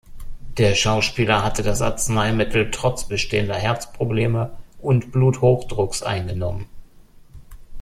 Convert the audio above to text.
Der Schauspieler hatte das Arzneimittel trotz bestehender Herzprobleme und Bluthochdrucks eingenommen.